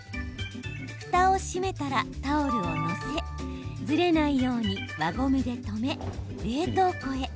ふたを閉めたらタオルを載せずれないように輪ゴムで留め冷凍庫へ。